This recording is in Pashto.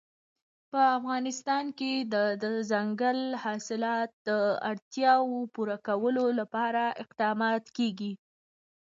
په افغانستان کې د دځنګل حاصلات د اړتیاوو پوره کولو لپاره اقدامات کېږي.